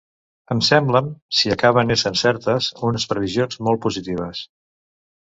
Em semblen –si acaben essent certes– unes previsions molt positives.